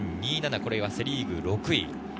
これはセ・リーグ６位。